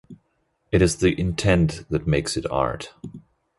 It is the intent that makes it art.